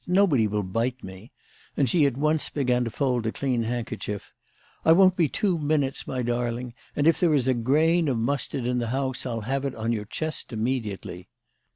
Nobody will bite me," and she at once began to fold a clean handkerchief. " I won't be two minutes, my darling, and if there is a grain of mustard in the house I'll have it on your chest immediately."